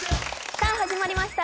さあ始まりました